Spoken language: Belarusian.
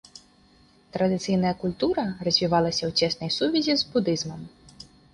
Традыцыйная культура развівалася ў цеснай сувязі з будызмам.